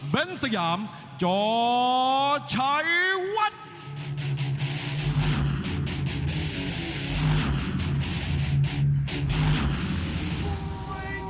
เบ้นสยามจอร์ชัยวัฒน์